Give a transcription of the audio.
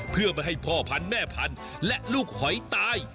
เพื่อไม่ให้พ่อพันธุ์แม่พันธุ์และลูกหอยตาย